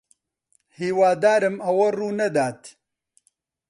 ھیوادارم ئەوە ڕوونەدات.